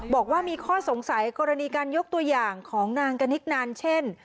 บอกว่ามีข้อสงสัยกรณีการยกตัวอย่างของนางกนิกนานเช่น